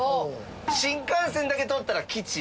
新幹線だけ通ったら吉。